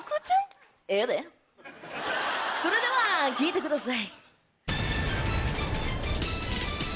それでは聴いてください。